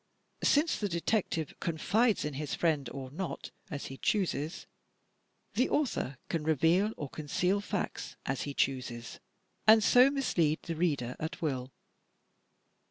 Since the detective confides in his friend or not, as he chooses, the author can reveal or con ceal facts as he chooses, and so mislead the reader at will.